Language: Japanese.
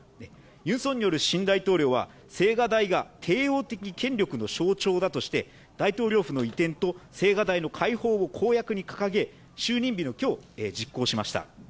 ユン・ソンニョル新大統領は、青瓦台が帝王的権力の象徴だとして大統領府の移転と青瓦台の開放を公約に掲げ、就任日の今日、実行しました。